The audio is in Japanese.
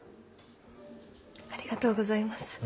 ありがとうございます。